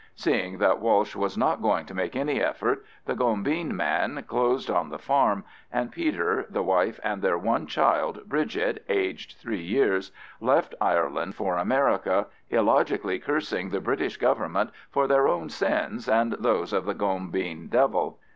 Seeing that Walsh was not going to make any effort, the gombeen man closed on the farm, and Peter, the wife, and their one child, Bridget, aged three years, left Ireland for America, illogically cursing the British Government for their own sins and those of the gombeen devil.